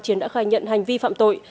chiến đã khai nhận hành vi phạm tội